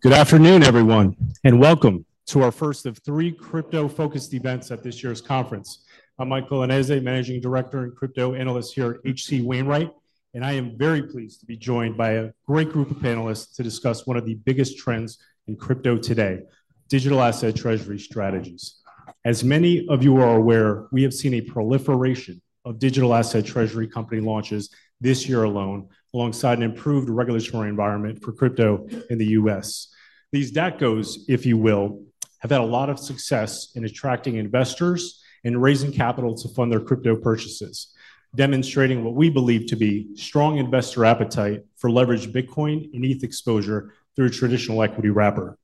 Good afternoon, everyone, and welcome to our first of three crypto-focused events at this year's conference. I'm Michael Inez, Managing Director and Crypto Analyst here at H.C. Wainwright, and I am very pleased to be joined by a great group of panelists to discuss one of the biggest trends in crypto today: digital asset treasury strategies. As many of you are aware, we have seen a proliferation of digital asset treasury company launches this year alone, alongside an improved regulatory environment for crypto in the U.S. These DATCOs, if you will, have had a lot of success in attracting investors and raising capital to fund their crypto purchases, demonstrating what we believe to be strong investor appetite for leveraged Bitcoin and ETH exposure through traditional equity wrapper.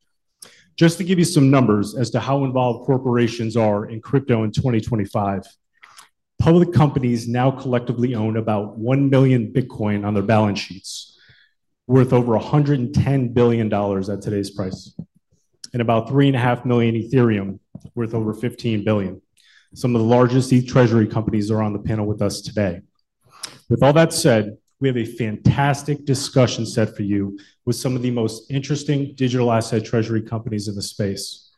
Just to give you some numbers as to how involved corporations are in crypto in 2025, public companies now collectively own about 1 million Bitcoin on their balance sheets, worth over $110 billion at today's price, and about 3.5 million Ethereum, worth over $15 billion. Some of the largest ETH treasury companies are on the panel with us today. With all that said, we have a fantastic discussion set for you with some of the most interesting digital asset treasury companies in the space.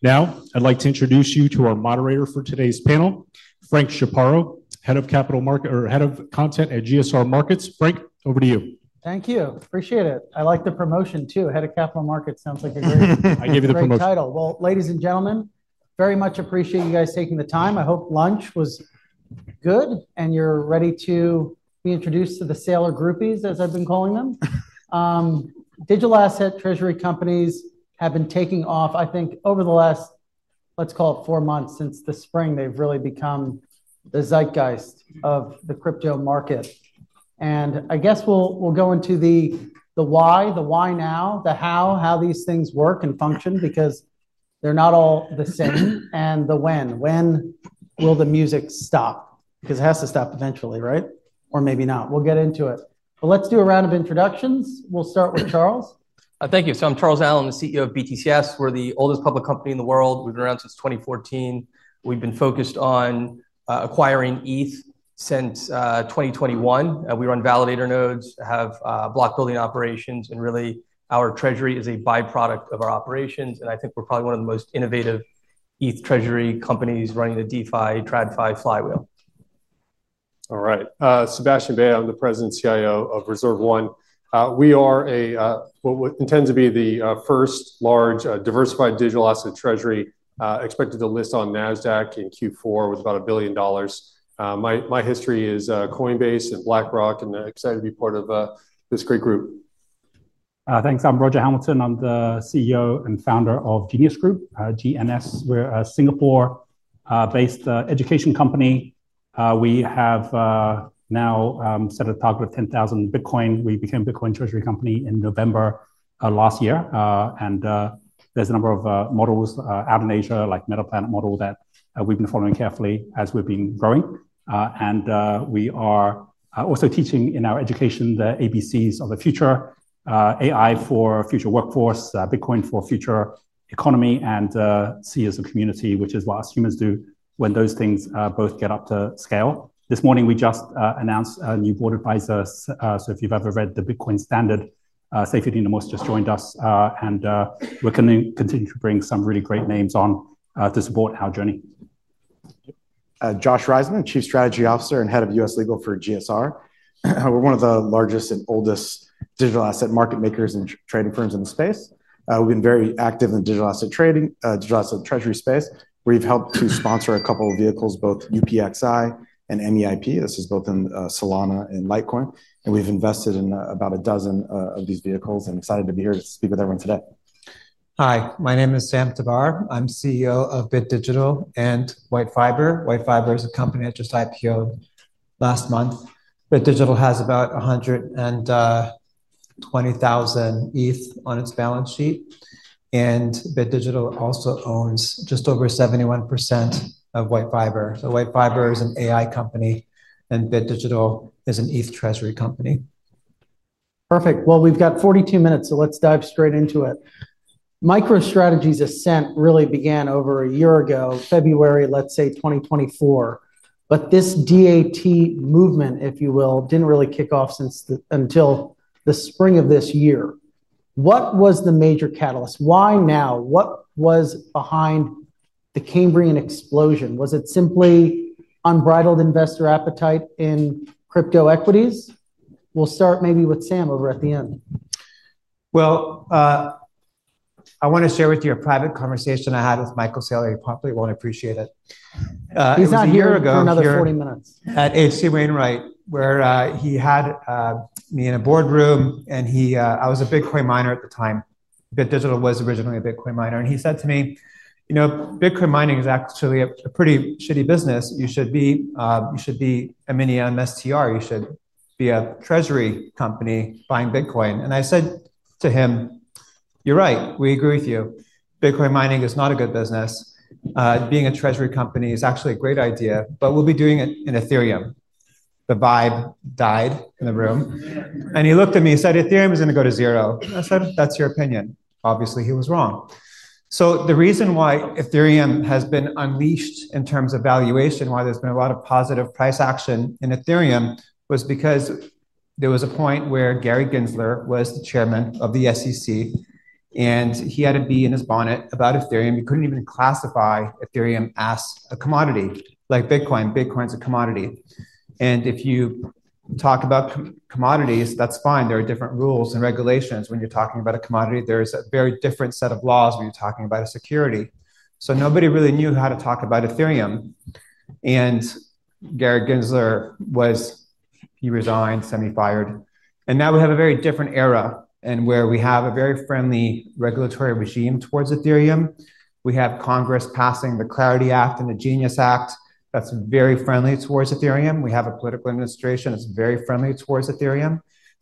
Now, I'd like to introduce you to our moderator for today's panel, Frank Chaparro, Head of Content at GSR Markets. Frank, over to you. Thank you. Appreciate it. I like the promotion too. Head of Capital Markets sounds like a great title. I give you the promotion. Ladies and gentlemen, very much appreciate you guys taking the time. I hope lunch was good and you're ready to be introduced to the sale of groupies, as I've been calling them. Digital Asset Treasury Companies have been taking off, I think, over the last, let's call it four months, since the spring. They've really become the zeitgeist of the crypto market. I guess we'll go into the why, the why now, the how, how these things work and function, because they're not all the same, and the when. When will the music stop? Because it has to stop eventually, right? Or maybe not. We'll get into it. Let's do a round of introductions. We'll start with Charles. Thank you. I'm Charles Allen, the CEO of BTCS. We're the oldest public company in the world. We've been around since 2014. We've been focused on acquiring ETH since 2021. We run validator nodes, have block building operations, and really our treasury is a byproduct of our operations. I think we're probably one of the most innovative ETH treasury companies running the DeFi TradFi flywheel. All right. Sebastian Bea, I'm the President and CIO of ReserveOne. We are what, in terms of EV, our first large diversified digital asset treasury expected to list on NASDAQ in Q4 with about $1 billion. My history is Coinbase and BlackRock. I'm excited to be part of this great group. Thanks. I'm Roger Hamilton. I'm the CEO and Founder of Genius Group, GNS. We're a Singapore-based education company. We have now set a target of 10,000 Bitcoin. We became a Bitcoin Treasury Company in November last year. There are a number of models out in Asia, like the Metaplanet model, that we've been following carefully as we've been growing. We are also teaching in our education the ABCs of the future: AI for future workforce, Bitcoin for future economy, and C as in community, which is what us humans do when those things both get up to scale. This morning, we just announced a new board advisor. If you've ever read the Bitcoin Standard, Saifedean Ammous just joined us. We're going to continue to bring some really great names on to support our journey. Josh Riezman, Chief Strategy Officer and Head of US Legal for GSR. We're one of the largest and oldest digital asset market makers and trading firms in the space. We've been very active in the digital asset trading, digital asset treasury space. We've helped to sponsor a couple of vehicles, both UPXI and MEIP. This is both in Solana and Litecoin. We've invested in about a dozen of these vehicles and decided to be here to speak with everyone today. Hi, my name is Sam Tabar. I'm CEO of Bit Digital and White Fiber. White Fiber is a company that just IPO'd last month. Bit Digital Inc. has about 120,000 ETH on its balance sheet. Bit Digital also owns just over 71% of White Fiber. White Fiber is an AI company, and Bit Digital is an ETH treasury company. Perfect. We've got 42 minutes, so let's dive straight into it. MicroStrategy's ascent really began over a year ago, February, let's say 2024. This DAT movement, if you will, didn't really kick off until the spring of this year. What was the major catalyst? Why now? What was behind the Cambrian explosion? Was it simply unbridled investor appetite in crypto equities? We'll start maybe with Sam over at the end. I want to share with you a private conversation I had with Michael Saylor. You probably won't appreciate it. He's not here. Another 40 minutes. H.C. Wainwright, where he had me in a boardroom, and I was a Bitcoin miner at the time. Bit Digital was originally a Bitcoin miner. He said to me, you know, Bitcoin mining is actually a pretty shitty business. You should be a mini MSTR. You should be a treasury company buying Bitcoin. I said to him, you're right. We agree with you. Bitcoin mining is not a good business. Being a treasury company is actually a great idea, but we'll be doing it in Ethereum. The vibe died in the room. He looked at me. He said, Ethereum is going to go to zero. I said, that's your opinion. Obviously, he was wrong. The reason why Ethereum has been unleashed in terms of valuation, why there's been a lot of positive price action in Ethereum, was because there was a point where Gary Gensler was the Chair of the SEC, and he had a bee in his bonnet about Ethereum. He couldn't even classify Ethereum as a commodity, like Bitcoin. Bitcoin is a commodity. If you talk about commodities, that's fine. There are different rules and regulations. When you're talking about a commodity, there's a very different set of laws when you're talking about a security. Nobody really knew how to talk about Ethereum. Gary Gensler was, he resigned, semi-fired. Now we have a very different era and where we have a very friendly regulatory regime towards Ethereum. We have Congress passing the Clarity Act and the Genius Act that's very friendly towards Ethereum. We have a political administration that's very friendly towards Ethereum.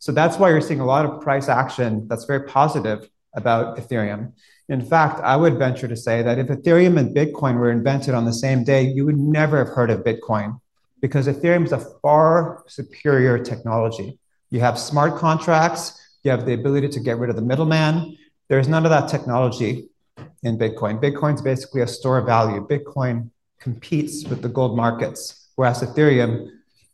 That's why you're seeing a lot of price action that's very positive about Ethereum. In fact, I would venture to say that if Ethereum and Bitcoin were invented on the same day, you would never have heard of Bitcoin because Ethereum is a far superior technology. You have smart contracts. You have the ability to get rid of the middleman. There's none of that technology in Bitcoin. Bitcoin is basically a store of value. Bitcoin competes with the gold markets, whereas Ethereum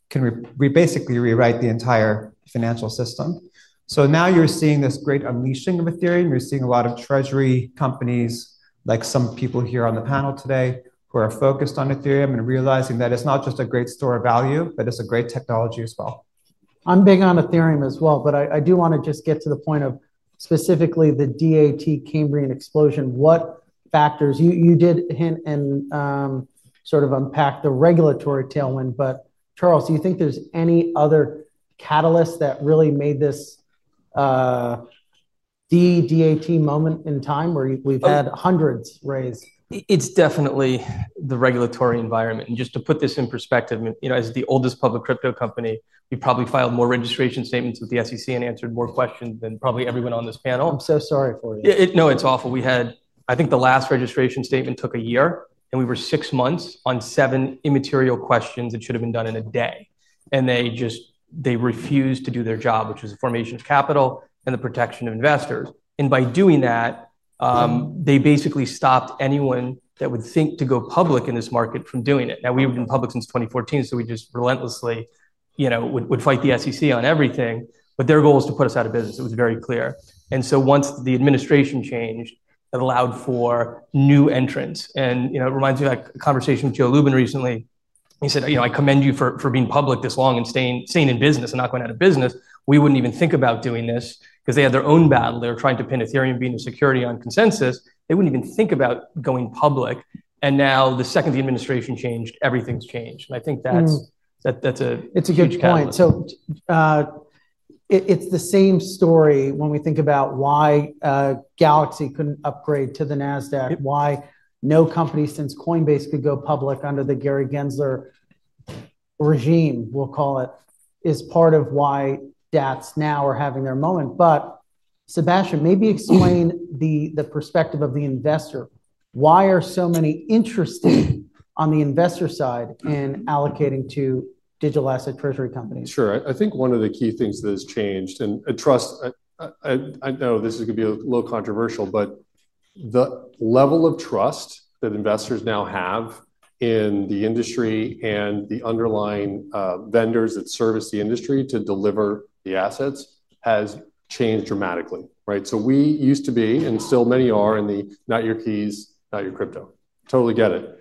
can basically rewrite the entire financial system. Now you're seeing this great unleashing of Ethereum. You're seeing a lot of treasury companies, like some people here on the panel today, who are focused on Ethereum and realizing that it's not just a great store of value, but it's a great technology as well. I'm big on Ethereum as well, but I do want to just get to the point of specifically the DAT Cambrian Explosion. What factors? You did hint and sort of unpack the regulatory tailwind, but Charles, do you think there's any other catalyst that really made this DAT moment in time where we've had hundreds raised? It's definitely the regulatory environment. Just to put this in perspective, as the oldest public crypto company, we probably filed more registration statements with the U.S. SEC and answered more questions than probably everyone on this panel. I'm so sorry for you. No, it's awful. I think the last registration statement took a year, and we were six months on seven immaterial questions that should have been done in a day. They just refused to do their job, which was the formation of capital and the protection of investors. By doing that, they basically stopped anyone that would think to go public in this market from doing it. We've been public since 2014, so we just relentlessly would fight the SEC on everything. Their goal was to put us out of business. It was very clear. Once the administration changed, it allowed for new entrants. It reminds me of that conversation with Joe Lubin recently. He said, you know, I commend you for being public this long and staying in business and not going out of business. We wouldn't even think about doing this because they had their own battle. They were trying to pin Ethereum being a security on ConsenSys. They wouldn't even think about going public. The second the administration changed, everything's changed. I think that's a huge point. It's a huge point. It's the same story when we think about why Galaxy couldn't upgrade to the NASDAQ, why no company since Coinbase could go public under the Gary Gensler regime, we'll call it, is part of why DATs now are having their moment. Sebastian, maybe explain the perspective of the investor. Why are so many interested on the investor side in allocating to digital asset treasury companies? Sure. I think one of the key things that has changed, and I know this is going to be a little controversial, but the level of trust that investors now have in the industry and the underlying vendors that service the industry to deliver the assets has changed dramatically. We used to be, and still many are, in the not your keys, not your crypto. Totally get it.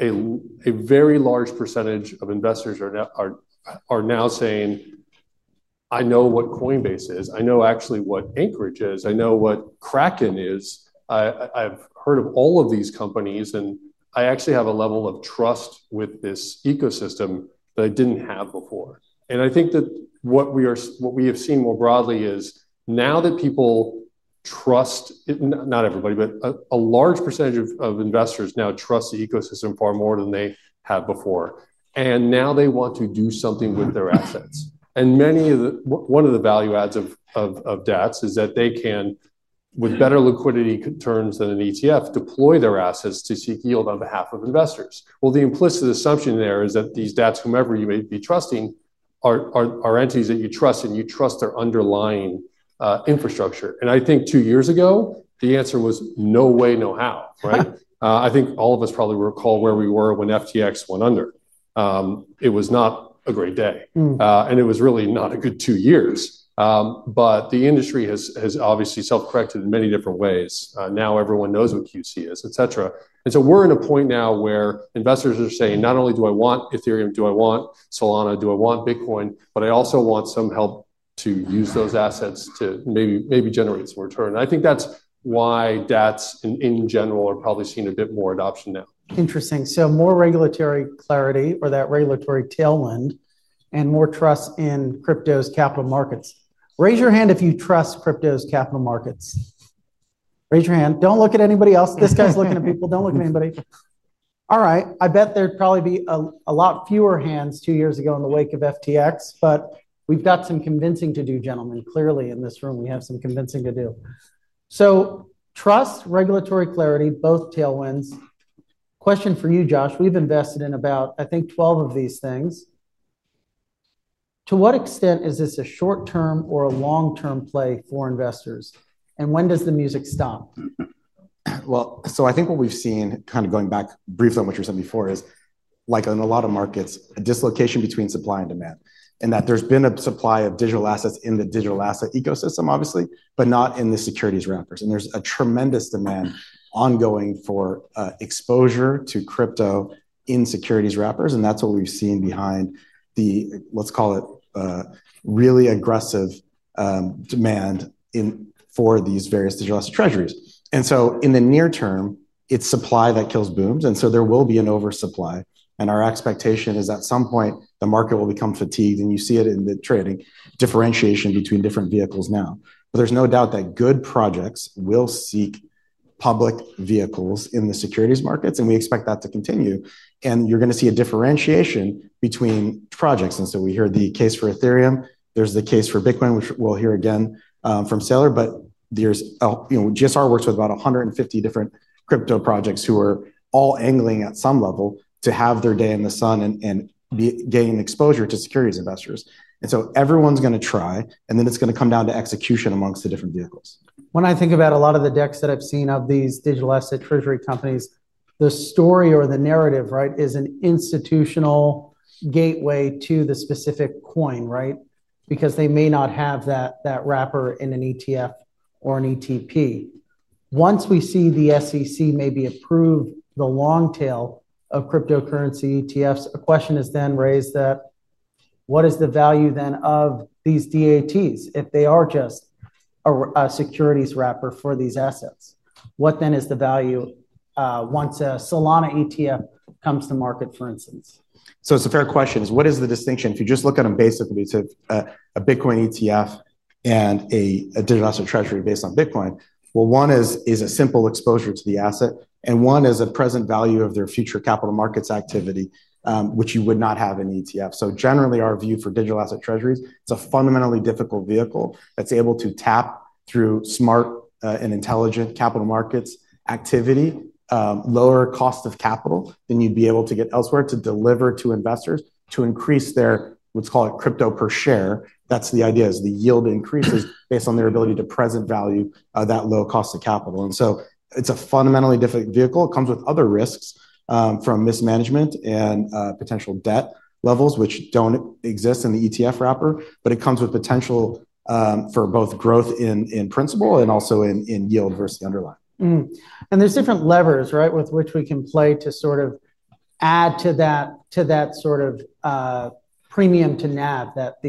A very large percentage of investors are now saying, I know what Coinbase is. I know actually what Anchorage is. I know what Kraken is. I've heard of all of these companies, and I actually have a level of trust with this ecosystem that I didn't have before. I think that what we have seen more broadly is now that people trust, not everybody, but a large percentage of investors now trust the ecosystem far more than they had before. Now they want to do something with their assets. Many of the, one of the value adds of DATs is that they can, with better liquidity terms than an ETF, deploy their assets to seek yield on behalf of investors. The implicit assumption there is that these DATs, whomever you may be trusting, are entities that you trust, and you trust their underlying infrastructure. I think two years ago, the answer was no way, no how. Right? I think all of us probably recall where we were when FTX went under. It was not a great day, and it was really not a good two years. The industry has obviously self-corrected in many different ways. Now everyone knows what QC is, et cetera. We're at a point now where investors are saying, not only do I want Ethereum, do I want Solana, do I want Bitcoin, but I also want some help to use those assets to maybe generate some return. I think that's why DATs, in general, are probably seeing a bit more adoption now. Interesting. More regulatory clarity, or that regulatory tailwind, and more trust in crypto's capital markets. Raise your hand if you trust crypto's capital markets. Raise your hand. Don't look at anybody else. This guy's looking at people. Don't look at anybody. All right. I bet there'd probably be a lot fewer hands two years ago in the wake of FTX, but we've got some convincing to do, gentlemen. Clearly, in this room, we have some convincing to do. Trust and regulatory clarity, both tailwinds. Question for you, Josh. We've invested in about, I think, 12 of these things. To what extent is this a short-term or a long-term play for investors? When does the music stop? I think what we've seen, kind of going back briefly on what you were saying before, is like in a lot of markets, a dislocation between supply and demand. There's been a supply of digital assets in the digital asset ecosystem, obviously, but not in the securities wrappers. There's a tremendous demand ongoing for exposure to crypto in securities wrappers. That's what we've seen behind the, let's call it, really aggressive demand for these various digital asset treasuries. In the near term, it's supply that kills booms. There will be an oversupply. Our expectation is at some point, the market will become fatigued. You see it in the trading, differentiation between different vehicles now. There's no doubt that good projects will seek public vehicles in the securities markets. We expect that to continue. You're going to see a differentiation between projects. We hear the case for Ethereum. There's the case for Bitcoin, which we'll hear again from Saylor. GSR works with about 150 different crypto projects who are all angling at some level to have their day in the sun and gain exposure to securities investors. Everyone's going to try. It's going to come down to execution amongst the different vehicles. When I think about a lot of the decks that I've seen of these digital asset treasury companies, the story or the narrative is an institutional gateway to the specific coin, right? Because they may not have that wrapper in an ETF or an ETP. Once we see the SEC maybe approve the long tail of cryptocurrency ETFs, a question is then raised that what is the value then of these DATs if they are just a securities wrapper for these assets? What then is the value once a Solana ETF comes to market, for instance? It's a fair question. What is the distinction? If you just look at them basically, you have a Bitcoin ETF and a digital asset treasury based on Bitcoin. One is a simple exposure to the asset, and one is a present value of their future capital markets activity, which you would not have in an ETF. Generally, our view for digital asset treasuries is a fundamentally difficult vehicle that's able to tap through smart and intelligent capital markets activity, lower cost of capital, and you'd be able to get elsewhere to deliver to investors to increase their, let's call it, crypto per share. That's the idea, the yield increases based on their ability to present value that low cost of capital. It's a fundamentally different vehicle. It comes with other risks from mismanagement and potential debt levels, which don't exist in the ETF wrapper. It comes with potential for both growth in principal and also in yield versus the underlying. There are different levers with which we can play to sort of add to that sort of premium to nab that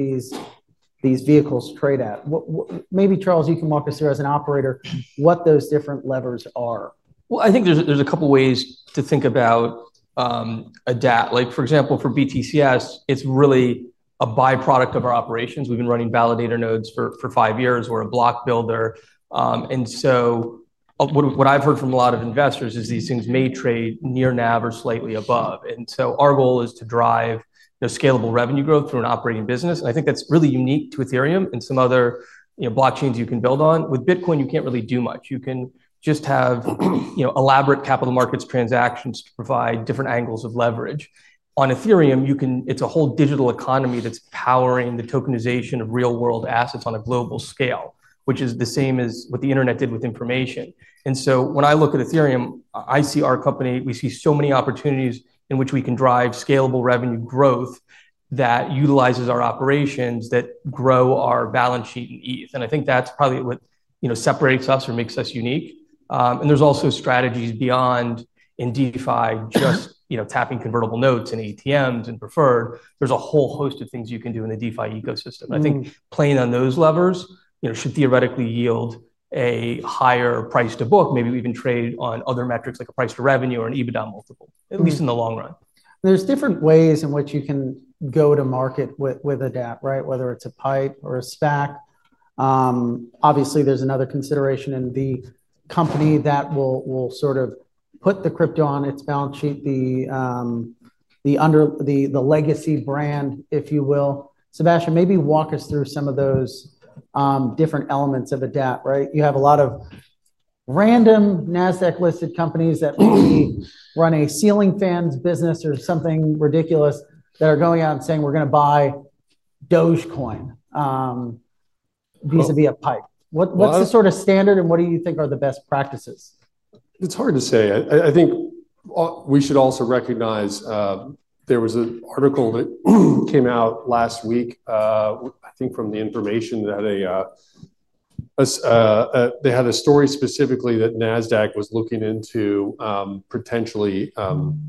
these vehicles trade at. Maybe, Charles, you can walk us through as an operator what those different levers are. I think there's a couple of ways to think about a DAT. For example, for BTCS, it's really a byproduct of our operations. We've been running validator nodes for five years. We're a block builder. What I've heard from a lot of investors is these things may trade near NAV or slightly above. Our goal is to drive scalable revenue growth through an operating business. I think that's really unique to Ethereum and some other blockchains you can build on. With Bitcoin, you can't really do much. You can just have elaborate capital markets transactions to provide different angles of leverage. On Ethereum, it's a whole digital economy that's powering the tokenization of real-world assets on a global scale, which is the same as what the internet did with information. When I look at Ethereum, I see our company, we see so many opportunities in which we can drive scalable revenue growth that utilizes our operations that grow our balance sheet in ETH. I think that's probably what separates us or makes us unique. There's also strategies beyond in DeFi, just tapping convertible notes and ATMs and preferred. There's a whole host of things you can do in the DeFi ecosystem. I think playing on those levers should theoretically yield a higher price to book, maybe even trade on other metrics like a price to revenue or an EBITDA multiple, at least in the long run. are different ways in which you can go to market with a DAT, whether it's a pipe or a stack. Obviously, there's another consideration in the company that will sort of put the crypto on its balance sheet, the legacy brand, if you will. Sebastian, maybe walk us through some of those different elements of the DAT. You have a lot of random NASDAQ-listed companies that only run a ceiling fans business or something ridiculous that are going out and saying, we're going to buy Dogecoin vis-a-vis a pipe. What's the sort of standard and what do you think are the best practices? It's hard to say. I think we should also recognize there was an article that came out last week, I think from The Information, that they had a story specifically that NASDAQ was looking into potentially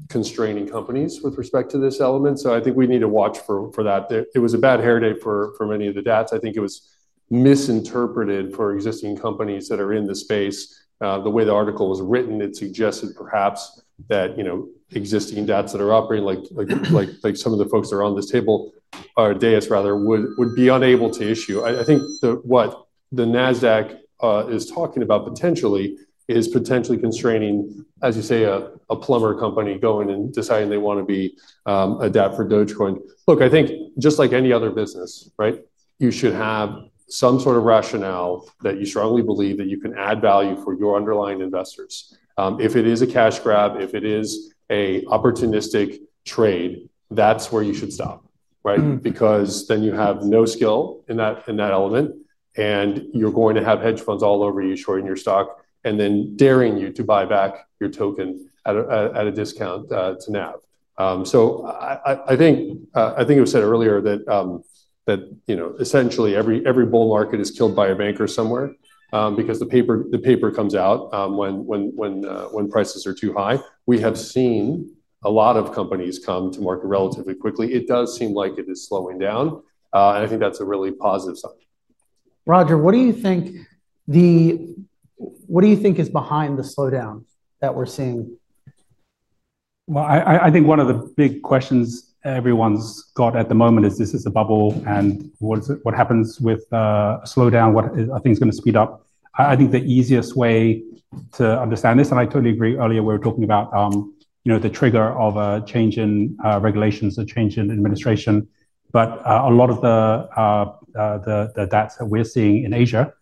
constraining companies with respect to this element. I think we need to watch for that. It was a bad hair day for many of the DATs. I think it was misinterpreted for existing companies that are in the space. The way the article was written, it suggested perhaps that existing DATs that are operating, like some of the folks that are on this table, DATs rather, would be unable to issue. I think that what NASDAQ is talking about potentially is potentially constraining, as you say, a plumber company going and deciding they want to be a DAT for Dogecoin. Look, I think just like any other business, you should have some sort of rationale that you strongly believe that you can add value for your underlying investors. If it is a cash grab, if it is an opportunistic trade, that's where you should stop, right? Because then you have no skill in that element, and you're going to have hedge funds all over you shorting your stock and then daring you to buy back your token at a discount to nab it. I think it was said earlier that essentially every bull market is killed by a banker somewhere because the paper comes out when prices are too high. We have seen a lot of companies come to market relatively quickly. It does seem like it is slowing down. I think that's a really positive sign. Roger, what do you think is behind the slowdown that we're seeing? I think one of the big questions everyone's got at the moment is, is this a bubble, and what happens with a slowdown? Are things going to speed up? I think the easiest way to understand this, and I totally agree earlier we were talking about the trigger of a change in regulations, a change in administration. A lot of the DATs that we're seeing in Asia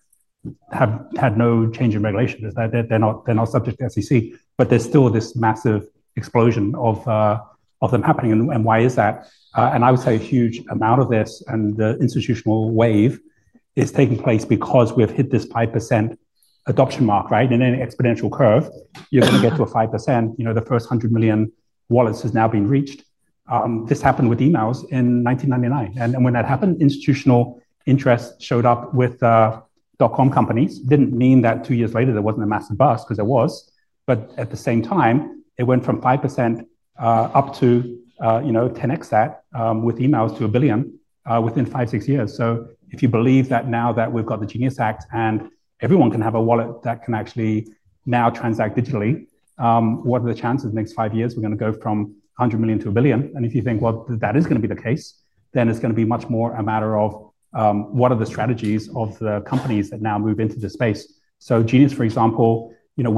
have had no change in regulation. They're not subject to the SEC, but there's still this massive explosion of them happening. Why is that? I would say a huge amount of this and the institutional wave is taking place because we have hit this 5% adoption mark. In any exponential curve, you're going to get to 5%. The first 100 million wallets has now been reached. This happened with emails in 1999. When that happened, institutional interests showed up with dot-com companies. It didn't mean that two years later there wasn't a massive bust, because there was. At the same time, it went from 5% up to 10x that with emails to a billion within five, six years. If you believe that now that we've got the Genius Act and everyone can have a wallet that can actually now transact digitally, what are the chances in the next five years we're going to go from $100 million-$1 billion? If you think that is going to be the case, then it's going to be much more a matter of what are the strategies of the companies that now move into this space. Genius, for example, when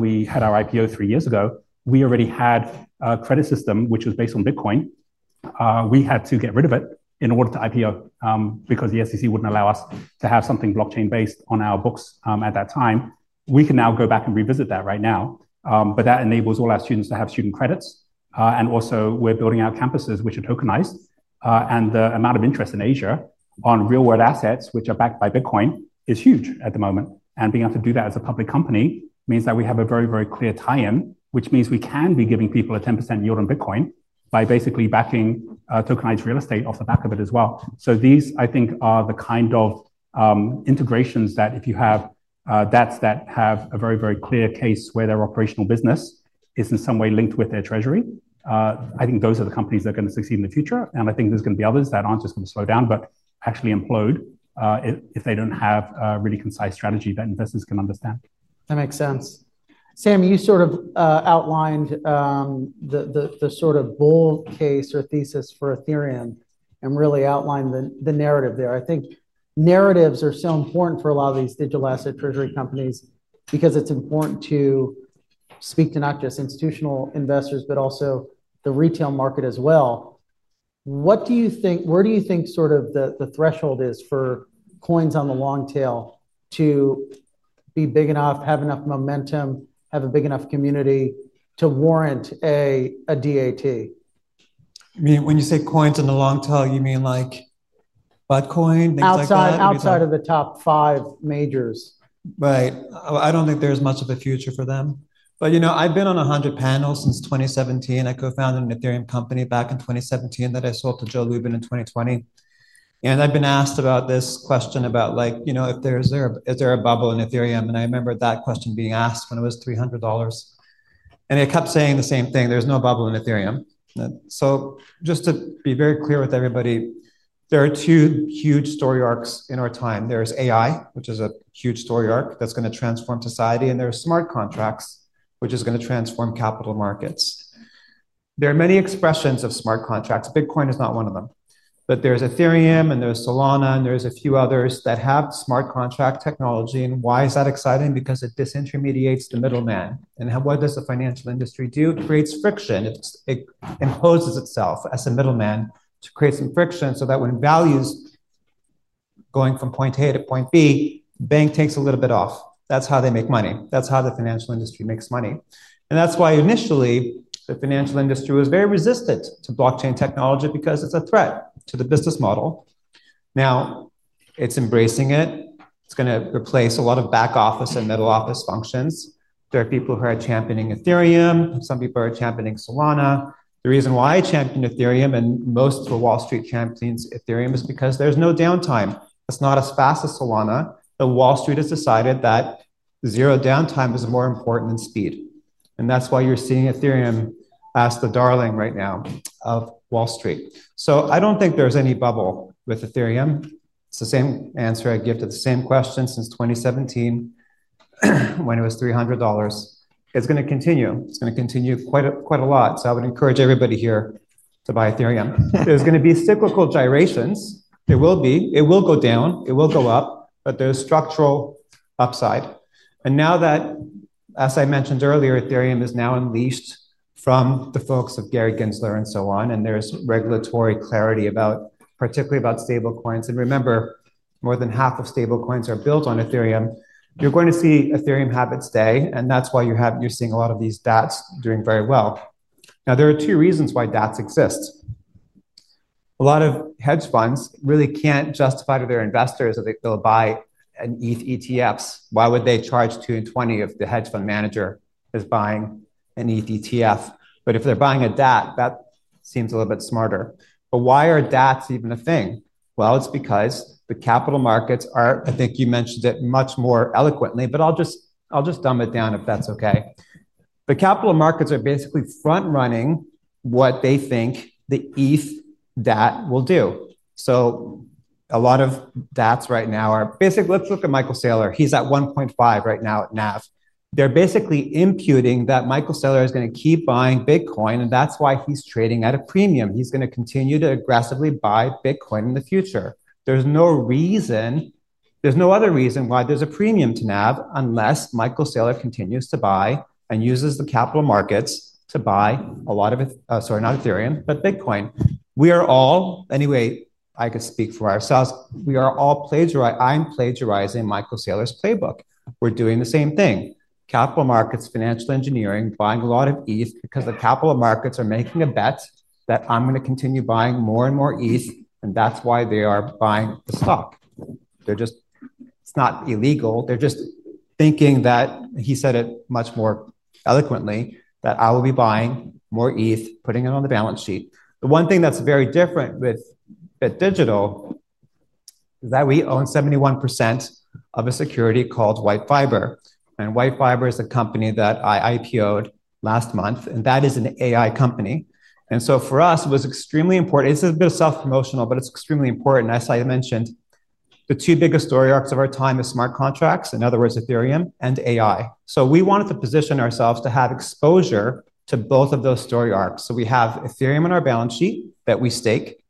we had our IPO three years ago, we already had a credit system which was based on Bitcoin. We had to get rid of it in order to IPO because the SEC wouldn't allow us to have something blockchain-based on our books at that time. We can now go back and revisit that right now. That enables all our students to have student credits. Also, we're building out campuses which are tokenized. The amount of interest in Asia on real-world assets, which are backed by Bitcoin, is huge at the moment. Being able to do that as a public company means that we have a very, very clear tie-in, which means we can be giving people a 10% yield on Bitcoin by basically backing tokenized real estate off the back of it as well. These, I think, are the kind of integrations that if you have DATs that have a very, very clear case where their operational business is in some way linked with their treasury, I think those are the companies that are going to succeed in the future. I think there's going to be others that aren't just going to slow down, but actually implode if they don't have a really concise strategy that investors can understand. That makes sense. Sam, you sort of outlined the sort of bull case or thesis for Ethereum and really outlined the narrative there. I think narratives are so important for a lot of these digital asset treasury companies because it's important to speak to not just institutional investors, but also the retail market as well. What do you think, where do you think sort of the threshold is for coins on the long tail to be big enough, have enough momentum, have a big enough community to warrant a DAT? I mean, when you say coins on the long tail, you mean like Bitcoin, things like that? Outside of the top five majors. Right. I don't think there's much of a future for them. I've been on 100 panels since 2017. I co-founded an Ethereum company back in 2017 that I sold to Joe Lubin in 2020. I've been asked about this question about, like, is there a bubble in Ethereum? I remember that question being asked when it was $300. I kept saying the same thing. There's no bubble in Ethereum. Just to be very clear with everybody, there are two huge story arcs in our time. There's AI, which is a huge story arc that's going to transform society, and there's smart contracts, which is going to transform capital markets. There are many expressions of smart contracts. Bitcoin is not one of them. There's Ethereum, and there's Solana, and a few others that have smart contract technology. Why is that exciting? It disintermediates the middleman. What does the financial industry do? It creates friction. It imposes itself as a middleman to create some friction so that when value is going from point A to point B, the bank takes a little bit off. That's how they make money. That's how the financial industry makes money. Initially, the financial industry was very resistant to blockchain technology because it's a threat to the business model. Now it's embracing it. It's going to replace a lot of back office and middle office functions. There are people who are championing Ethereum. Some people are championing Solana. The reason why I championed Ethereum, and most of Wall Street champions Ethereum, is because there's no downtime. It's not as fast as Solana, but Wall Street has decided that zero downtime is more important than speed. That's why you're seeing Ethereum as the darling right now of Wall Street. I don't think there's any bubble with Ethereum. It's the same answer I give to the same question since 2017, when it was $300. It's going to continue. It's going to continue quite a lot. I would encourage everybody here to buy Ethereum. There's going to be cyclical gyrations. There will be. It will go down. It will go up. There's structural upside. As I mentioned earlier, Ethereum is now unleashed from the folks of Gary Gensler and so on, and there's regulatory clarity, particularly about stable coins. Remember, more than half of stable coins are built on Ethereum. You're going to see Ethereum have its day. That's why you're seeing a lot of these DATs doing very well. Now, there are two reasons why DATs exist. A lot of hedge funds really can't justify to their investors that they'll buy an ETF. Why would they charge 2 and 20 if the hedge fund manager is buying an ETF? If they're buying a DAT, that seems a little bit smarter. Why are DATs even a thing? It's because the capital markets are, I think you mentioned it much more eloquently, but I'll just dumb it down if that's OK. The capital markets are basically front-running what they think the ETH DAT will do. A lot of DATs right now are basically, let's look at Michael Saylor. He's at $1.5 billion right now at NAVs. They're basically imputing that Michael Saylor is going to keep buying Bitcoin, and that's why he's trading at a premium. He's going to continue to aggressively buy Bitcoin in the future. There's no other reason why there's a premium to NAV unless Michael Saylor continues to buy and uses the capital markets to buy a lot of, sorry, not Ethereum, but Bitcoin. I can speak for ourselves, we are all plagiarizing. I'm plagiarizing Michael Saylor's playbook. We're doing the same thing. Capital markets, financial engineering, buying a lot of ETH because the capital markets are making a bet that I'm going to continue buying more and more ETH, and that's why they are buying the stock. It's not illegal. They're just thinking that, he said it much more eloquently, that I will be buying more ETH, putting it on the balance sheet. The one thing that's very different with Bit Digital is that we own 71% of a security called White Fiber. White Fiber is a company that I IPO'd last month, and that is an AI company. For us, it was extremely important. It's a bit self-promotional, but it's extremely important. As I mentioned, the two biggest story arcs of our time are smart contracts, in other words, Ethereum, and AI. We wanted to position ourselves to have exposure to both of those story arcs. We have Ethereum on our balance sheet that we stake,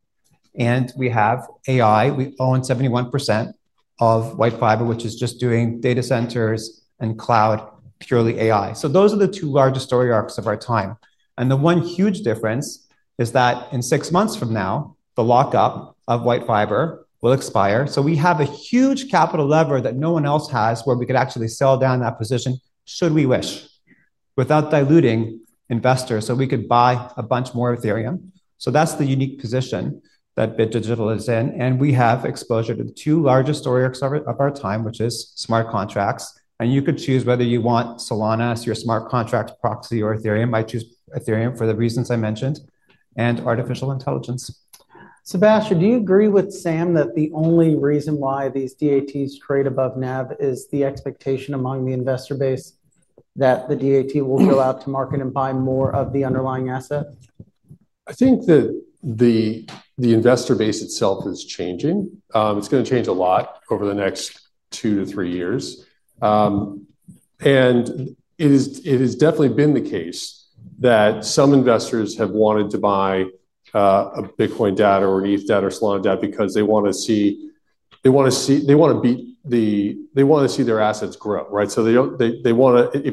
and we have AI. We own 71% of White Fiber, which is just doing data centers and cloud, purely AI. Those are the two largest story arcs of our time. The one huge difference is that in six months from now, the lockup of White Fiber will expire. We have a huge capital lever that no one else has, where we could actually sell down that position, should we wish, without diluting investors, so we could buy a bunch more Ethereum. That's the unique position that Bit Digital is in. We have exposure to two larger story arcs of our time, which is smart contracts. You could choose whether you want Solana as your smart contract proxy or Ethereum. I choose Ethereum for the reasons I mentioned and artificial intelligence. Sebastian, do you agree with Sam that the only reason why these DATs trade above NAV is the expectation among the investor base that the DAT will go out to market and buy more of the underlying asset? I think that the investor base itself is changing. It's going to change a lot over the next two to three years. It has definitely been the case that some investors have wanted to buy a Bitcoin DAT or an Ethereum DAT or Solana DAT because they want to see their assets grow. Right? If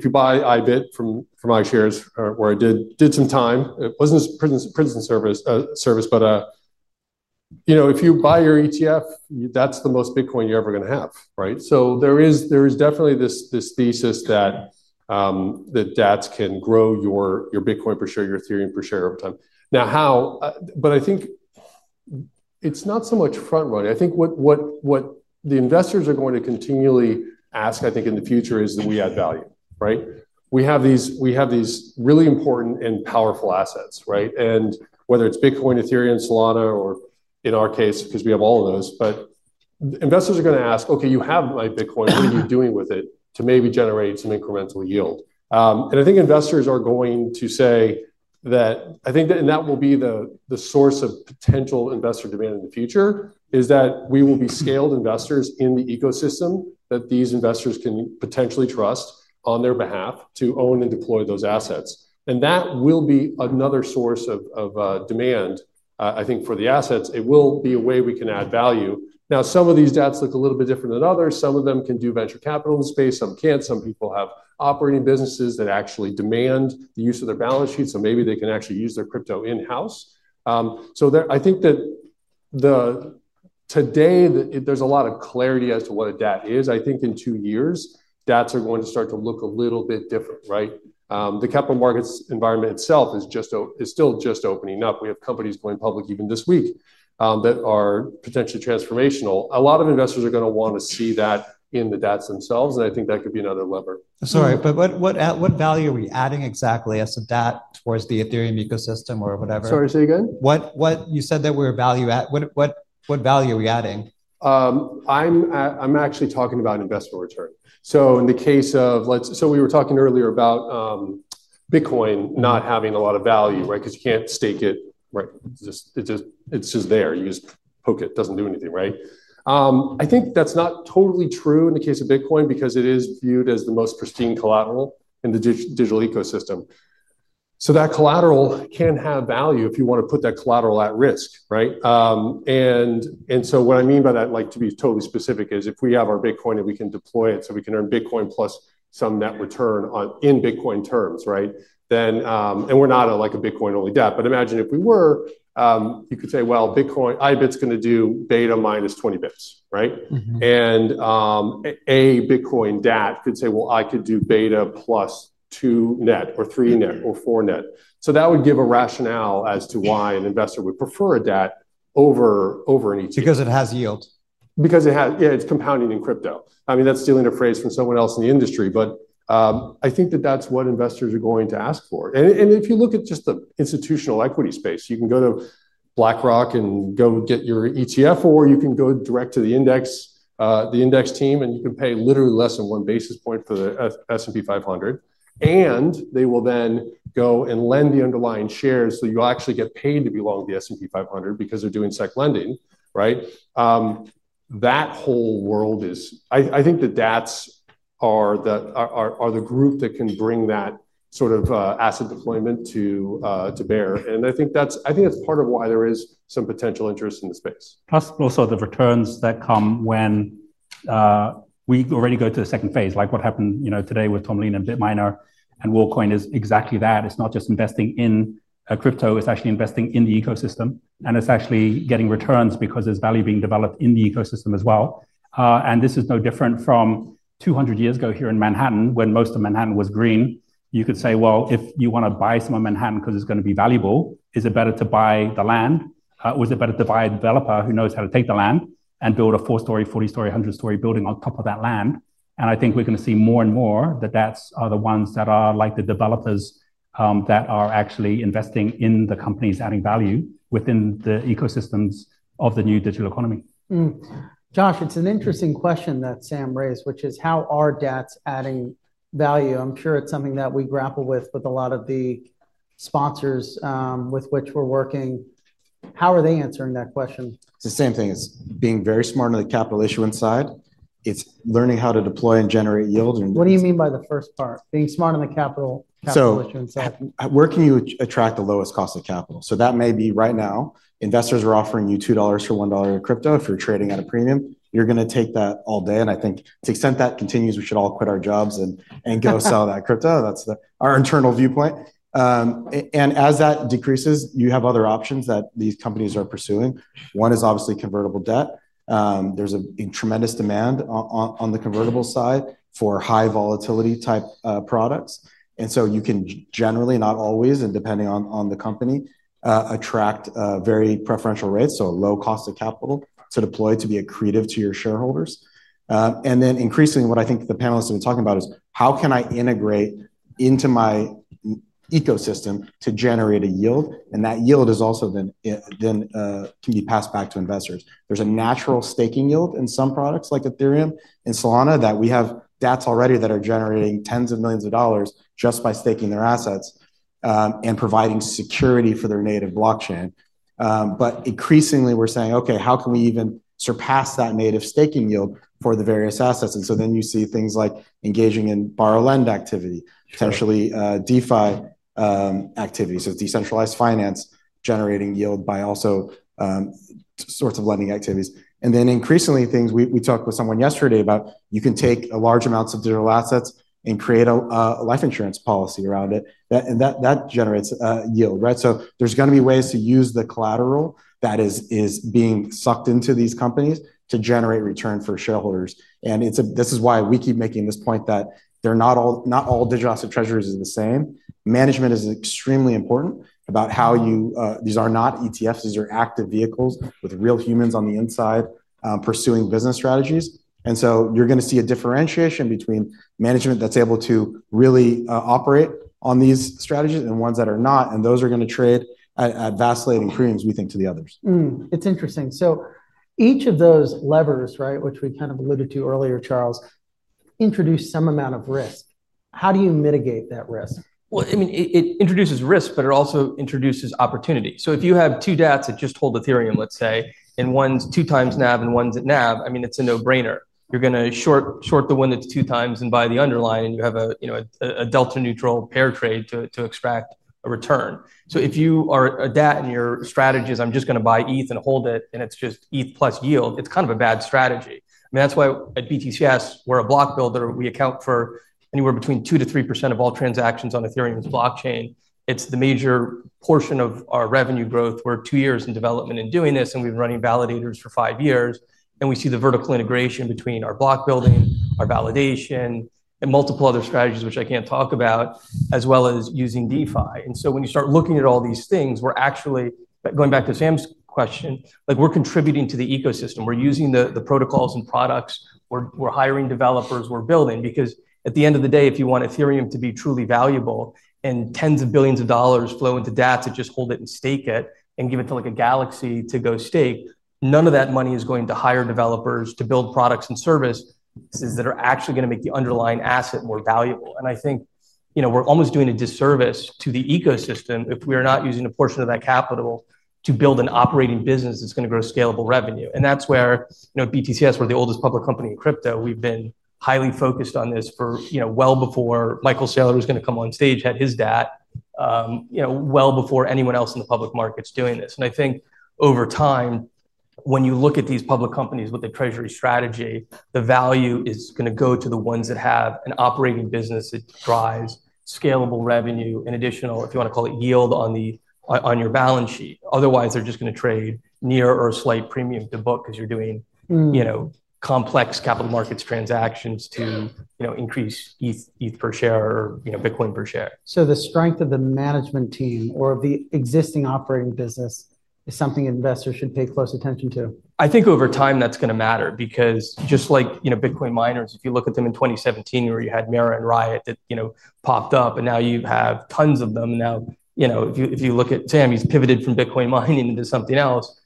you buy IBIT from iShares, where I did some time, it wasn't a prison service, but you know, if you buy your ETF, that's the most Bitcoin you're ever going to have. Right? There is definitely this thesis that DATs can grow your Bitcoin per share, your Ethereum per share over time. I think it's not so much front-running. What the investors are going to continually ask, I think in the future, is that we add value. Right? We have these really important and powerful assets. Right? Whether it's Bitcoin, Ethereum, Solana, or in our case, because we have all of those, investors are going to ask, OK, you have my Bitcoin. What are you doing with it to maybe generate some incremental yield? I think investors are going to say that, and that will be the source of potential investor demand in the future, that we will be scaled investors in the ecosystem that these investors can potentially trust on their behalf to own and deploy those assets. That will be another source of demand, I think, for the assets. It will be a way we can add value. Some of these DATs look a little bit different than others. Some of them can do venture capital in the space. Some can't. Some people have operating businesses that actually demand the use of their balance sheets, so maybe they can actually use their crypto in-house. I think that today, there's a lot of clarity as to what a DAT is. I think in two years, DATs are going to start to look a little bit different. The capital markets environment itself is still just opening up. We have companies going public even this week that are potentially transformational. A lot of investors are going to want to see that in the DATs themselves. I think that could be another lever. Sorry, but what value are we adding exactly as a DAT towards the Ethereum ecosystem or whatever? Sorry, say again? You said that we're a value add. What value are we adding? I'm actually talking about investment return. In the case of, let's, we were talking earlier about Bitcoin not having a lot of value, right? Because you can't stake it, right? It's just there. You just poke it. It doesn't do anything, right? I think that's not totally true in the case of Bitcoin because it is viewed as the most pristine collateral in the digital ecosystem. That collateral can have value if you want to put that collateral at risk, right? What I mean by that, to be totally specific, is if we have our Bitcoin and we can deploy it so we can earn Bitcoin plus some net return in Bitcoin terms, right? We're not a Bitcoin-only DAT, but imagine if we were, you could say, Bitcoin, IBIT's going to do beta minus 20 bps. A Bitcoin DAT could say, I could do beta plus two net or three net or four net. That would give a rationale as to why an investor would prefer a DAT over an ETF. Because it has yield. Because it has, yeah, it's compounding in crypto. I mean, that's stealing a phrase from someone else in the industry, but I think that that's what investors are going to ask for. If you look at just the institutional equity space, you can go to BlackRock and go get your ETF, or you can go direct to the index, the index team, and you can pay literally less than one basis point for the S&P 500. They will then go and lend the underlying shares, so you actually get paid to be long of the S&P 500 because they're doing SEC lending. That whole world is, I think the DATs are the group that can bring that sort of asset deployment to bear. I think that's part of why there is some potential interest in the space. Plus also the returns that come when we already go to the second phase, like what happened today with Tomlene and Bit Digital Inc. and Worldcoin is exactly that. It's not just investing in crypto. It's actually investing in the ecosystem. It's actually getting returns because there's value being developed in the ecosystem as well. This is no different from 200 years ago here in Manhattan when most of Manhattan was green. You could say, if you want to buy some of Manhattan because it's going to be valuable, is it better to buy the land, or is it better to buy a developer who knows how to take the land and build a four-story, 40-story, 100-story building on top of that land? I think we're going to see more and more that that's the ones that are like the developers that are actually investing in the companies adding value within the ecosystems of the new digital economy. Josh, it's an interesting question that Sam raised, which is how are DATs adding value? I'm sure it's something that we grapple with with a lot of the sponsors with which we're working. How are they answering that question? It's the same thing. It's being very smart on the capital issuance side, learning how to deploy and generate yield. What do you mean by the first part? Being smart on the capital issuance side. Where can you attract the lowest cost of capital? That may be right now, investors are offering you $2 or $1 crypto if you're trading at a premium. You're going to take that all day. I think to the extent that continues, we should all quit our jobs and go sell that crypto. That's our internal viewpoint. As that decreases, you have other options that these companies are pursuing. One is obviously convertible debt. There is a tremendous demand on the convertible side for high volatility type products. You can generally, not always, and depending on the company, attract very preferential rates, so low cost of capital to deploy to be accretive to your shareholders. Increasingly, what I think the panelists have been talking about is how can I integrate into my ecosystem to generate a yield? That yield also then can be passed back to investors. There is a natural staking yield in some products like Ethereum and Solana that we have DATs already that are generating tens of millions of dollars just by staking their assets and providing security for their native blockchain. Increasingly, we're saying, OK, how can we even surpass that native staking yield for the various assets? You see things like engaging in borrow/lend activity, potentially DeFi activities, so decentralized finance generating yield by all sorts of lending activities. Increasingly, things we talked with someone yesterday about, you can take large amounts of digital assets and create a life insurance policy around it. That generates yield. There are going to be ways to use the collateral that is being sucked into these companies to generate return for shareholders. This is why we keep making this point that not all digital asset treasuries are the same. Management is extremely important about how you, these are not ETFs. These are active vehicles with real humans on the inside pursuing business strategies. You are going to see a differentiation between management that's able to really operate on these strategies and ones that are not. Those are going to trade at vacillating premiums, we think, to the others. It's interesting. Each of those levers, which we kind of alluded to earlier, Charles, introduced some amount of risk. How do you mitigate that risk? It introduces risk, but it also introduces opportunity. If you have two DATs that just hold Ethereum, let's say, and one's two times NAV and one's at NAV, it's a no-brainer. You're going to short the one that's two times and buy the underlying, and you have a delta neutral pair trade to extract a return. If you are a DAT and your strategy is I'm just going to buy ETH and hold it, and it's just ETH plus yield, it's kind of a bad strategy. That's why at BTCS, we're a block builder. We account for anywhere between 2%-3% of all transactions on Ethereum's blockchain. It's the major portion of our revenue growth. We're two years in development in doing this, and we've been running validators for five years. We see the vertical integration between our block building, our validation, and multiple other strategies, which I can't talk about, as well as using DeFi. When you start looking at all these things, we're actually going back to Sam's question, like we're contributing to the ecosystem. We're using the protocols and products. We're hiring developers. We're building. At the end of the day, if you want Ethereum to be truly valuable and tens of billions of dollars flow into DATs that just hold it and stake it and give it to like a Galaxy to go stake, none of that money is going to hire developers to build products and services that are actually going to make the underlying asset more valuable. I think we're almost doing a disservice to the ecosystem if we are not using a portion of that capital to build an operating business that's going to grow scalable revenue. That's where BTCS, we're the oldest public company in crypto, we've been highly focused on this for well before Michael Saylor was going to come on stage, had his DAT, well before anyone else in the public markets doing this. I think over time, when you look at these public companies with a treasury strategy, the value is going to go to the ones that have an operating business that drives scalable revenue and additional, if you want to call it, yield on your balance sheet. Otherwise, they're just going to trade near or slight premium to book because you're doing complex capital markets transactions to increase ETH per share or Bitcoin per share. The strength of the management team or of the existing operating business is something investors should pay close attention to. I think over time that's going to matter because just like Bitcoin miners, if you look at them in 2017, where you had Marathon, Riot that popped up, and now you have tons of them. Now, if you look at Sam, he's pivoted from Bitcoin mining into something else.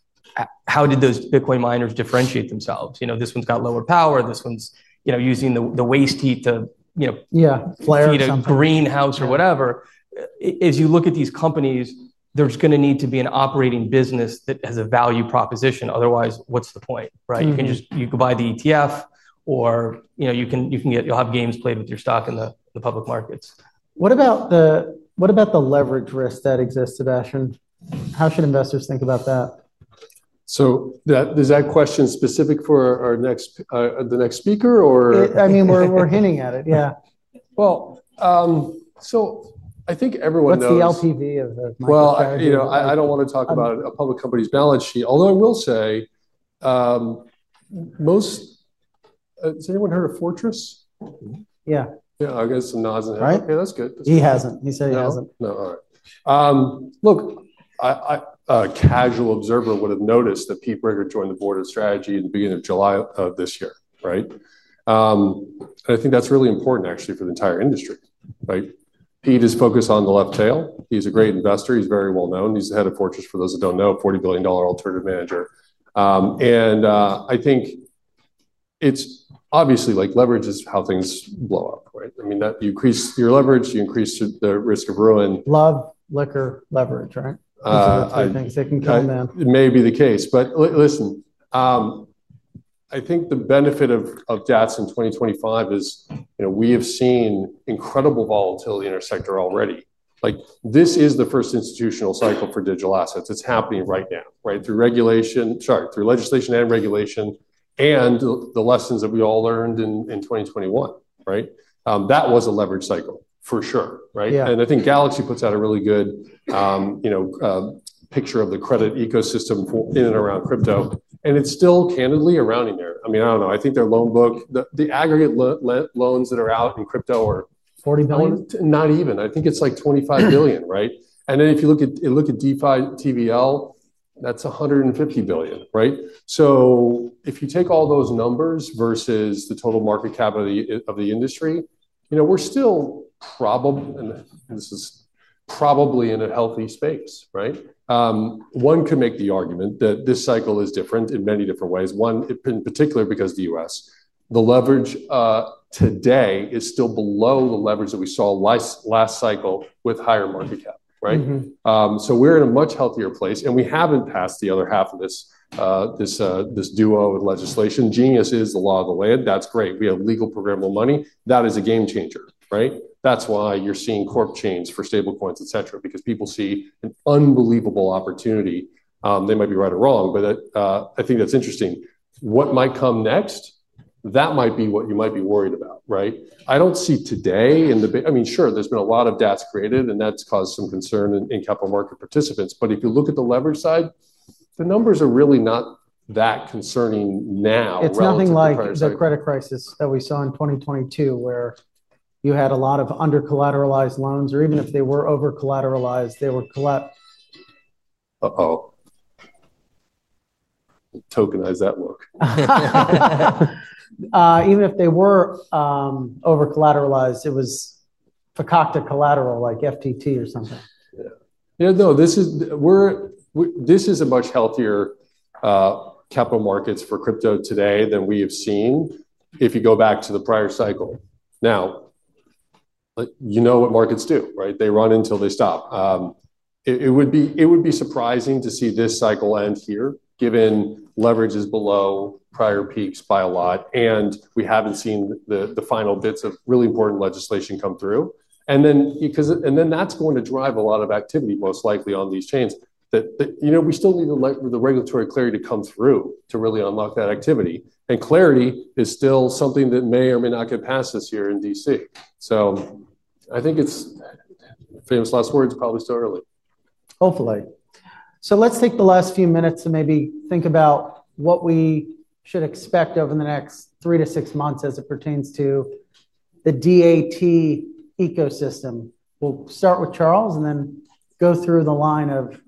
How did those Bitcoin miners differentiate themselves? This one's got lower power. This one's using the waste heat to flare its greenhouse or whatever. As you look at these companies, there's going to need to be an operating business that has a value proposition. Otherwise, what's the point? You can just buy the ETF or you'll have games played with your stock in the public markets. What about the leverage risks that exist, Sebastian? How should investors think about that? Is that question specific for the next speaker? We're hitting at it. Yeah. I think everyone knows. What's the LTV of my credit? I don't want to talk about a public company's balance sheet. Although I will say, has anyone heard of Fortress? Yeah. Yeah, I get some nods and heads? OK, that's good. He hasn't. He said he hasn't. All right. Look, a casual observer would have noticed that Peter Briger joined the Board of Strategy at the beginning of July of this year. I think that's really important, actually, for the entire industry. Pete is focused on the left tail. He's a great investor. He's very well known. He's the Head of Fortress, for those that don't know, a $40 billion alternative manager. I think it's obviously like leverage is how things blow up. I mean, you increase your leverage, you increase the risk of ruin. Love, liquor, leverage, right? I think it's a good thing. It may be the case. Listen, I think the benefit of DATs in 2025 is we have seen incredible volatility in our sector already. This is the first institutional cycle for digital assets. It's happening right now, through legislation and regulation, and the lessons that we all learned in 2021. That was a leverage cycle for sure. I think Galaxy puts out a really good picture of the credit ecosystem in and around crypto. It's still candidly around in there. I mean, I don't know. I think their loan book, the aggregate loans that are out in crypto are. 40 billion? Not even. I think it's like $25 billion, right? Then if you look at DeFi, TVL, that's $150 billion, right? If you take all those numbers versus the total market cap of the industry, you know we're still probably, and this is probably in a healthy space, right? One could make the argument that this cycle is different in many different ways. One, in particular, because of the U.S. The leverage today is still below the leverage that we saw last cycle with higher market cap, right? We're in a much healthier place. We haven't passed the other half of this duo in legislation. Genius is the law of the land. That's great. We have legal programmable money. That is a game changer, right? That's why you're seeing corp chains for stablecoins, et cetera, because people see an unbelievable opportunity. They might be right or wrong, but I think that's interesting. What might come next? That might be what you might be worried about, right? I don't see today in the, I mean, sure, there's been a lot of DATs created, and that's caused some concern in capital market participants. If you look at the leverage side, the numbers are really not that concerning now. It's nothing like the credit crisis that we saw in 2022, where you had a lot of under-collateralized loans, or even if they were over-collateralized, they were colla... Tokenize that look. Even if they were over-collateralized, it was fucked up the collateral, like FTT or something. Yeah, no, this is a much healthier capital markets for crypto today than we have seen if you go back to the prior cycle. Now, you know what markets do, right? They run until they stop. It would be surprising to see this cycle end here, given leverage is below prior peaks by a lot. We haven't seen the final bits of really important legislation come through. That's going to drive a lot of activity, most likely on these chains. We still need the regulatory clarity to come through to really unlock that activity. Clarity is still something that may or may not get passed this year in D.C. I think it's famous last words, probably still early. Let's take the last few minutes and maybe think about what we should expect over the next three to six months as it pertains to the DAT ecosystem. We'll start with Charles and then go through the line of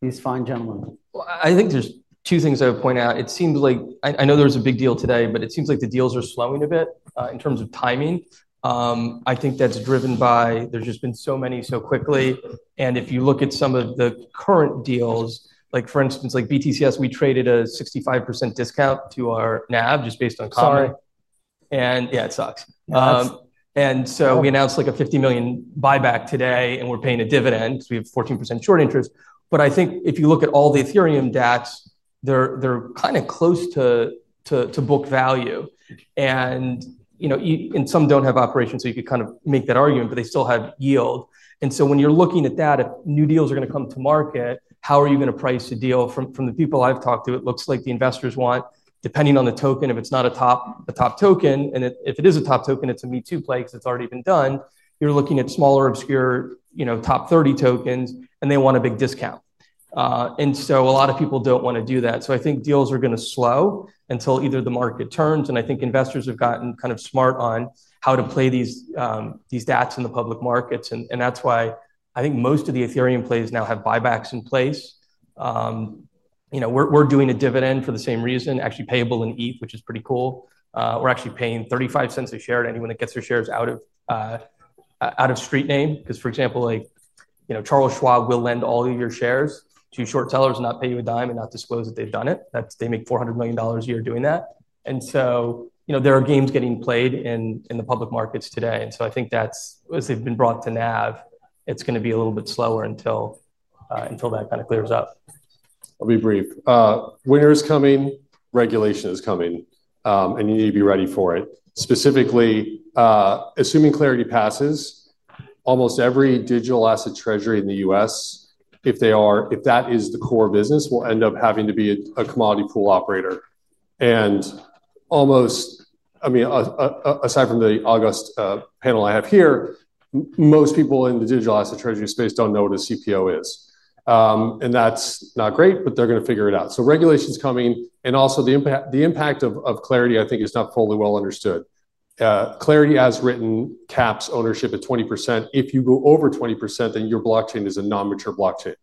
these fine gentlemen. I think there's two things I would point out. It seemed like I know there's a big deal today, but it seems like the deals are slowing a bit in terms of timing. I think that's driven by there's just been so many so quickly. If you look at some of the current deals, like for instance, like BTCS, we traded at a 65% discount to our NAV just based on cost. Sorry. Yeah, it sucks. We announced a $50 million buyback today, and we're paying a dividend because we have 14% short interest. If you look at all the Ethereum DATs, they're kind of close to book value. Some don't have operations, so you could kind of make that argument, but they still have yield. When you're looking at that, if new deals are going to come to market, how are you going to price a deal? From the people I've talked to, it looks like the investors want, depending on the token, if it's not a top token, and if it is a top token, it's a me too play because it's already been done. You're looking at smaller, obscure top 30 tokens, and they want a big discount. A lot of people don't want to do that. I think deals are going to slow until either the market turns. I think investors have gotten kind of smart on how to play these DATs in the public markets. That's why I think most of the Ethereum plays now have buybacks in place. We're doing a dividend for the same reason, actually payable in ETH, which is pretty cool. We're actually paying $0.35 a share to anyone that gets their shares out of street name. For example, Charles Schwab will lend all of your shares to short sellers and not pay you a dime and not disclose that they've done it. They make $400 million a year doing that. There are games getting played in the public markets today. I think as they've been brought to NAVs, it's going to be a little bit slower until that kind of clears up. I'll be brief. Winter is coming. Regulation is coming. You need to be ready for it. Specifically, assuming Clarity passes, almost every digital asset treasury in the U.S., if that is the core business, will end up having to be a commodity pool operator. Aside from the August panel I have here, most people in the digital asset treasury space don't know what a CPO is. That's not great, but they're going to figure it out. Regulation is coming. The impact of Clarity, I think, is not fully well understood. Clarity, as written, caps ownership at 20%. If you go over 20%, then your blockchain is a non-mature blockchain.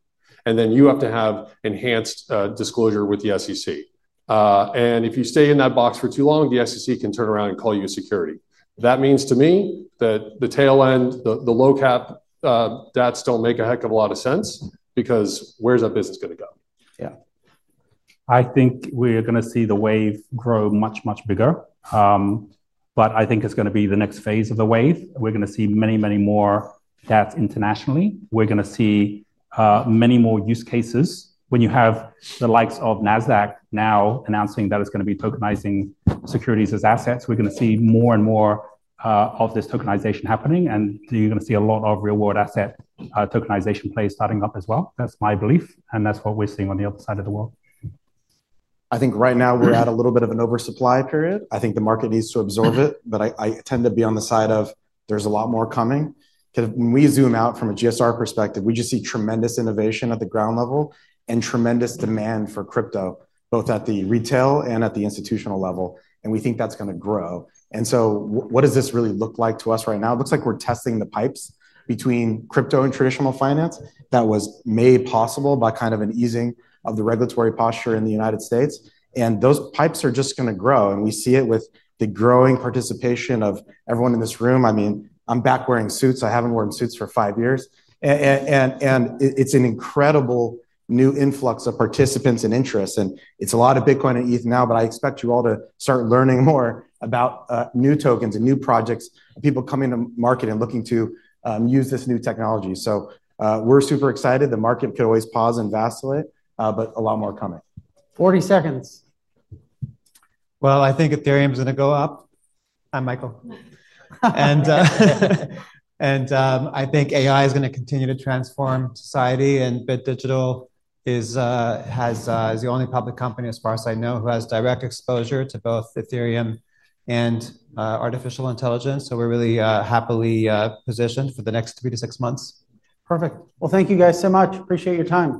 You have to have enhanced disclosure with the SEC. If you stay in that box for too long, the SEC can turn around and call you a security. That means to me that the tail end, the low cap DATs don't make a heck of a lot of sense because where's that business going to go? Yeah, I think we are going to see the wave grow much, much bigger. I think it's going to be the next phase of the wave. We're going to see many, many more DATs internationally. We're going to see many more use cases. When you have the likes of NASDAQ now announcing that it's going to be tokenizing securities as assets, we're going to see more and more of this tokenization happening. You're going to see a lot of real-world asset tokenization plays starting up as well. That's my belief, and that's what we're seeing on the other side of the world. I think right now we're at a little bit of an oversupply period. I think the market needs to absorb it. I tend to be on the side of there's a lot more coming. When we zoom out from a GSR perspective, we just see tremendous innovation at the ground level and tremendous demand for crypto, both at the retail and at the institutional level. We think that's going to grow. What does this really look like to us right now? It looks like we're testing the pipes between crypto and traditional finance that was made possible by kind of an easing of the regulatory posture in the United States. Those pipes are just going to grow. We see it with the growing participation of everyone in this room. I'm back wearing suits. I haven't worn suits for five years. It's an incredible new influx of participants and interest. It's a lot of Bitcoin and ETH now, but I expect you all to start learning more about new tokens and new projects, people coming to market and looking to use this new technology. We're super excited. The market could always pause and vacillate, but a lot more coming. 40 seconds. I think Ethereum is going to go up. Hi Michael. I think AI is going to continue to transform society. Bit Digital is the only public company, as far as I know, who has direct exposure to both Ethereum and artificial intelligence. We're really happily positioned for the next three to six months. Perfect. Thank you guys so much. Appreciate your time.